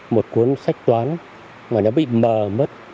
một cuốn sách toán mà nó bị mờ mất